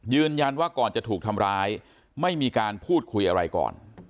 ยืนยันว่าก่อนจะถูกทำร้ายไม่มีการพูดคุยอะไรก่อน